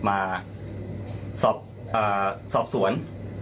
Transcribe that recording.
มาสอบสวน